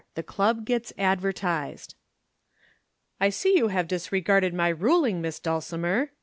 THE CLUB GETS ADVERTISED. "I see you have disregarded my ruling, Miss Dulcimer!"